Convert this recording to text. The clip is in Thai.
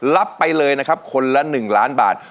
รับไปเลยนะครับคนละ๑ล้านบาท